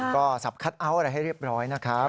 ก็สับคัทเอาท์อะไรให้เรียบร้อยนะครับ